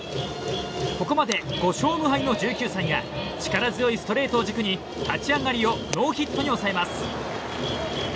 ここまで５勝無敗の１９歳が力強いストレートを軸に立ち上がりをノーヒットに抑えます。